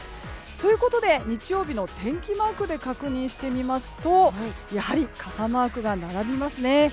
ということで日曜日の天気マークで確認してみますとやはり、傘マークが並びますね。